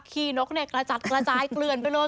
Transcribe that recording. ี้นกกระจัดกระจายเกลื่อนไปเลย